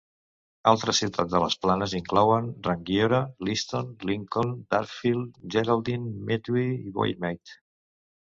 Altres ciutats de les planes inclouen Rangiora, Leeston, Lincoln, Darfield, Geraldine, Methven i Waimate.